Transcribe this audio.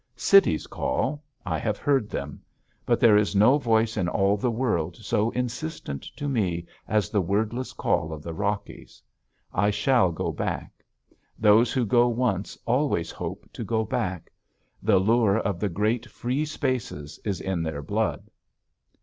Cities call I have heard them. But there is no voice in all the world so insistent to me as the wordless call of the Rockies. I shall go back. Those who go once always hope to go back. The lure of the great free spaces is in their blood.